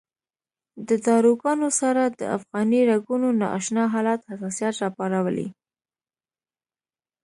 د داروګانو سره د افغاني رګونو نا اشنا حالت حساسیت راپارولی.